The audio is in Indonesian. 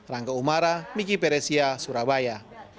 rangga umara miki peresia surabaya